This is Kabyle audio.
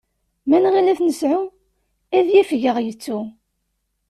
Ma nɣil ad t-nesɛu, ad yafeg ad aɣ-yettu.